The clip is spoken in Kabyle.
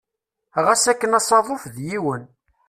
Ɣas akken asaḍuf d yiwen.